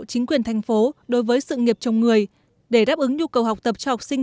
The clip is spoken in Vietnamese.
chính quyền thành phố đối với sự nghiệp chồng người để đáp ứng nhu cầu học tập cho học sinh